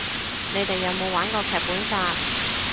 你哋有冇玩過劇本殺